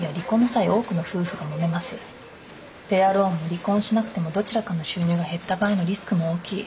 ペアローンも離婚しなくてもどちらかの収入が減った場合のリスクも大きい。